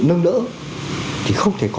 nâng đỡ thì không thể có